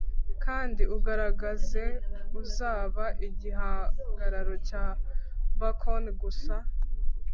kandi ugaragaze uzaba igihagararo cya bacon gusa